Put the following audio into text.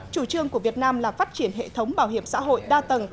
chủ trương của việt nam là phát triển hệ thống bảo hiểm xã hội đa tầng